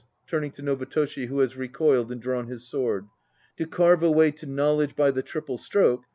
(turning to NOBUTOSHI who has recoiled and dra, wn his sword.) "To carve a way to knowledge by the triple stroke"